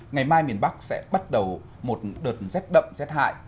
ngày mai miền bắc sẽ bắt đầu một đợt rét đậm rét hại